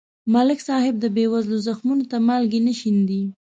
ملک صاحب د بېوزلو زخمونو ته مالګې نه شیندي.